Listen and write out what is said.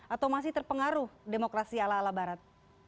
atau masih terpengaruh demokrasi ala ala barat